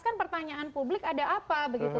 kan pertanyaan publik ada apa begitu